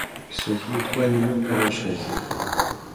Ils sont tous les trois inhumés au cimetière du Père-Lachaise.